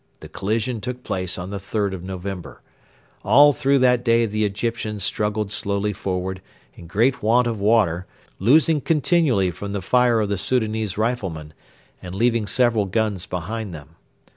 The collision took place on the 3rd of November. All through that day the Egyptians struggled slowly forward, in great want of water, losing continually from the fire of the Soudanese riflemen, and leaving several guns behind them.